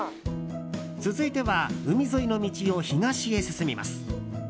続いては海沿いの道を東へ進みます。